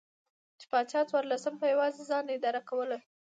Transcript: چې پاچا څوارلسم په یوازې ځان اداره کوله.